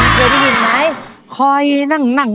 คุยพี่ยินไหม